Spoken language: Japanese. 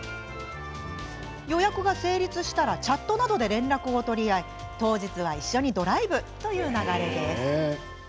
予約が成立したらチャットなどで連絡を取り合い当日は一緒にドライブという流れです。